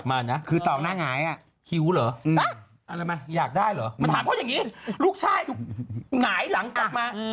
มันถามเพราะอย่างนี้ลูกชายหงายหลังกลับมา